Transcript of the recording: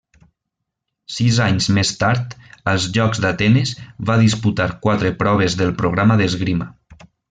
Sis anys més tard, als Jocs d'Atenes, va disputar quatre proves del programa d'esgrima.